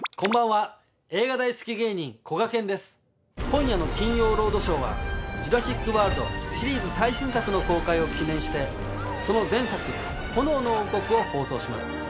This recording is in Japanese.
今夜の『金曜ロードショー』は『ジュラシック・ワールド』シリーズ最新作の公開を記念してその前作『炎の王国』を放送します。